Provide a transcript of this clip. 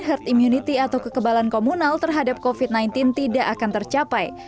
herd immunity atau kekebalan komunal terhadap covid sembilan belas tidak akan tercapai